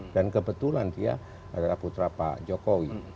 dan kebetulan dia adalah putra pak jokowi